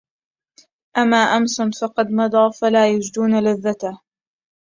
أَمَّا أَمْسِ فَقَدْ مَضَى فَلَا يَجِدُونَ لَذَّتَهُ